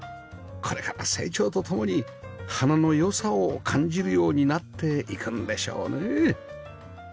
これから成長と共に花の良さを感じるようになっていくんでしょうね